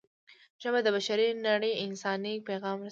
ژبه د بشري نړۍ انساني پیغام رسوي